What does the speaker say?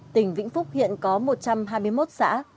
tỉnh vĩnh phúc hiện có một trăm hai mươi một xã